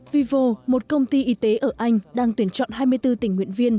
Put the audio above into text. vivo một công ty y tế ở anh đang tuyển chọn hai mươi bốn tình nguyện viên